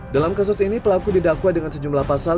dalam kasus ini pelaku didakwa dengan sejumlah pasal